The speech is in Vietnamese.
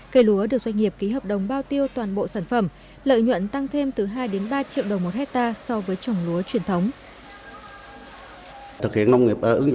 cây lúa được doanh nghiệp ký hợp đồng bao tiêu toàn bộ sản phẩm lợi nhuận tăng thêm từ hai ba triệu đồng một hectare so với trồng lúa truyền thống